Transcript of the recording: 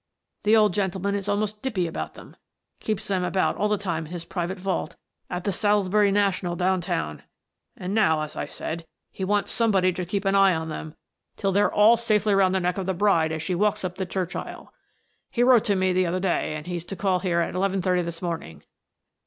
The old gentleman is almost dippy about them. Keeps them about all the time in his private vault at the Salisbury National down town, and now, as I said, he wants somebody to keep an eye on them till they're all 8 Miss Frances Baird, Detective BB5S=SS=B=BB==SB=S=SS==BBBS=aS9 safely round the neck of the bride as she walks up the church aisle. " He wrote to me the other day, and he's to call here at eleven thirty this morning.